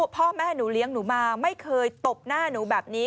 พ่อแม่หนูเลี้ยงหนูมาไม่เคยตบหน้าหนูแบบนี้